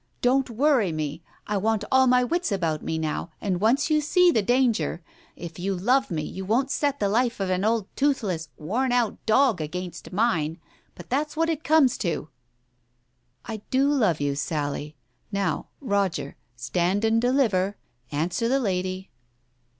Don't worry me. I want all my wits about me now, and once you see the danger — if you love me you won't set the life of an old toothless, worn out dog against mine, for that's what it comes to. " I do love you, Sally. ... Now, Roger, stand and deliver. Answer the lady."